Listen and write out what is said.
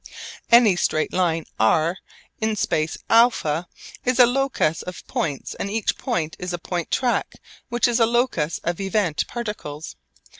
Any straight line r in space α is a locus of points and each point is a point track which is a locus of event particles.